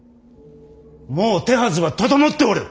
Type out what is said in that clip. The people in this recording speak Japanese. もう手はずは整っておる！